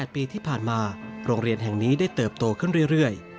๘ปีที่ผ่านมาโรงเรียนแห่งนี้ได้เติบโตขึ้นเรื่อย